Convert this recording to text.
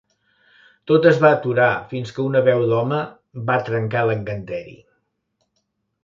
Tot es va aturar fins que una veu d'home va trencar l'encanteri.